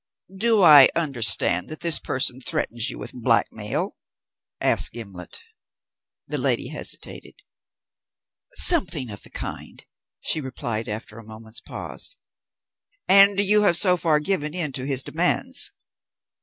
"Do I understand that this person threatens you with blackmail?" asked Gimblet. The lady hesitated. "Something of the kind," she replied after a moment's pause. "And you have so far given in to his demands?"